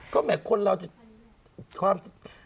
ก็เหมือนคนเราสิความ